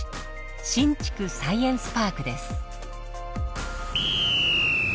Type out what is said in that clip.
新竹サイエンスパークです。